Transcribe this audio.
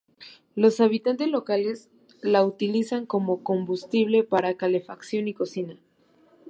Los habitantes locales la utilizan como combustible para calefacción y cocina.